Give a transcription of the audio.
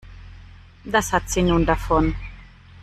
Das hat sie nun davon.